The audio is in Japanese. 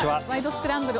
スクランブル」